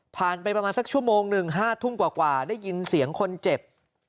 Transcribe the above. ไปประมาณสักชั่วโมงหนึ่ง๕ทุ่มกว่าได้ยินเสียงคนเจ็บ